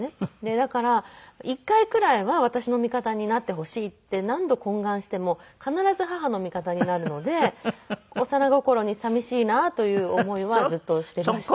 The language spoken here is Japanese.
だから一回くらいは私の味方になってほしいって何度懇願しても必ず母の味方になるので幼心にさみしいなという思いはずっとしていました。